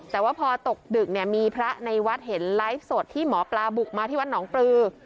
แต่ว่าพอตกดึกเนี่ยมีพระในวัดเห็นไลฟ์สดที่หมอปลาบุกมาที่วัดหนองปลือ